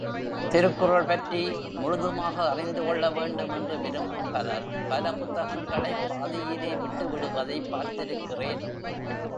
திருக்குறள் பற்றி முழுதுமாக அறிந்துகொள்ள வேண்டும் என்று விரும்பும் பலர், பல புத்தகங்களைப் பாதியிலே விட்டுவிடுவதைப் பார்த்திருக்கிறேன்.